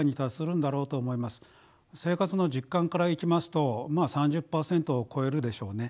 生活の実感からいきますとまあ３０％を超えるでしょうね。